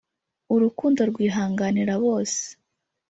urukundo rwihanganira bose